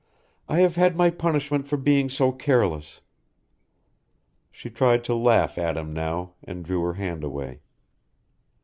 I have had my punishment for being so careless." She tried to laugh at him now, and drew her hand away.